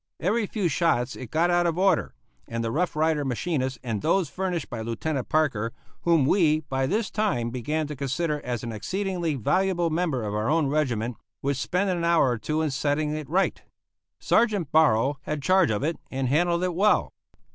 Every few shots it got out of order, and the Rough Rider machinists and those furnished by Lieutenant Parker whom we by this time began to consider as an exceedingly valuable member of our own regiment would spend an hour or two in setting it right. Sergeant Borrowe had charge of it and handled it well.